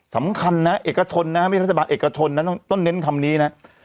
สำคัญนะเอกชนนะไม่ใช่รัฐบาลเอกชนนะต้องเน้นคำนี้นะ